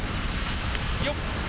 よっ！